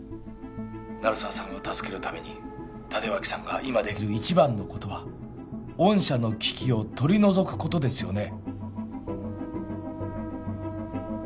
鳴沢さんを助けるために立脇さんが今できる一番のことは御社の危機を取り除くことですよね？